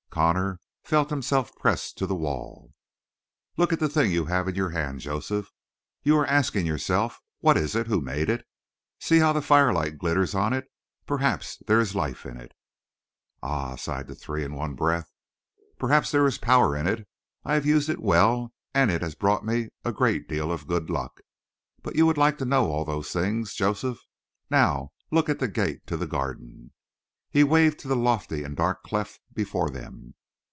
Connor felt himself pressed to the wall. "Look at the thing you have in your hand, Joseph. You are asking yourself: 'What is it? Who made it? See how the firelight glitters on it perhaps there is life in it!'" "Ah!" sighed the three in one breath. "Perhaps there is power in it. I have used it well and it has brought me a great deal of good luck. But you would like to know all those things, Joseph. Now look at the gate to the Garden!" He waved to the lofty and dark cleft before them.